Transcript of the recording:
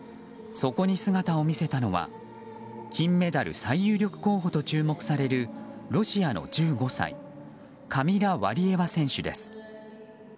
そこに姿を見せたのは金メダル最有力候補と注目されるロシアの１５歳カミラ・ワリエワ選手です。